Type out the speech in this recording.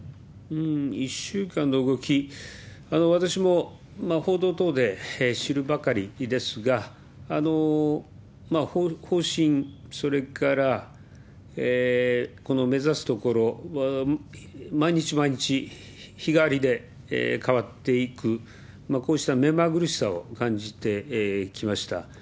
１週間の動き、私も報道等で知るばかりですが、方針、それからこの目指すところは毎日毎日、日替わりで変わっていく、こうした目まぐるしさを感じてきました。